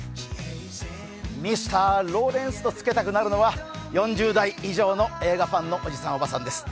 ミスター・ローレンスとつけたくなるのは４０代以上の映画ファンのおじさん、おばさんです。